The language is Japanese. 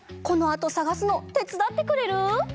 このあとさがすのてつだってくれる？